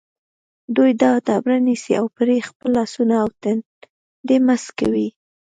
دوی دا ډبره نیسي او پرې خپل لاسونه او تندی مسح کوي.